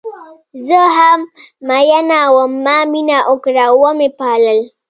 زه هم میینه وم ما مینه وکړه وه مې پالل